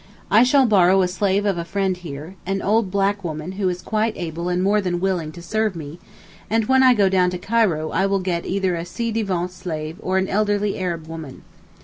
I shall borrow a slave of a friend here, an old black woman who is quite able and more than willing to serve me, and when I go down to Cairo I will get either a ci devant slave or an elderly Arab woman.